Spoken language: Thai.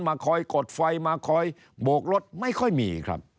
คอยกดไฟมาคอยโบกรถไม่ค่อยมีครับ